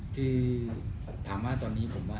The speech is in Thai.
คือถามว่าตอนนี้ผมว่า